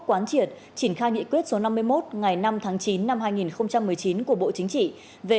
quán triệt triển khai nghị quyết số năm mươi một ngày năm tháng chín năm hai nghìn một mươi chín của bộ chính trị về